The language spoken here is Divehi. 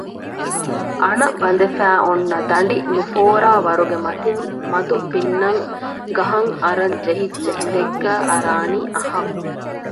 އަނަ ބަނދެފައި އޮންނަ ދަނޑި ނުފޯރާވަރުގެ މަތިން މަދު ބިންނަން ގަހަށް އަރަށް ޖެހިއްޖެ ހިނދެއްގައި އަރާނީ އަހަން